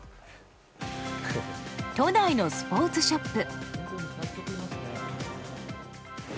都内のスポーツショップ。